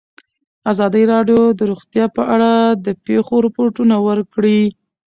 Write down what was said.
ازادي راډیو د روغتیا په اړه د پېښو رپوټونه ورکړي.